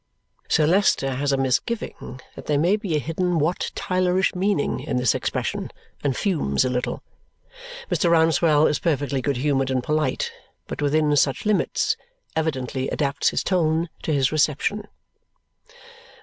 Sir Leicester has a misgiving that there may be a hidden Wat Tylerish meaning in this expression, and fumes a little. Mr. Rouncewell is perfectly good humoured and polite, but within such limits, evidently adapts his tone to his reception.